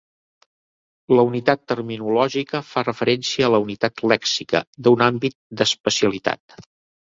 La unitat terminològica fa referència a la unitat lèxica d'un àmbit d'especialitat.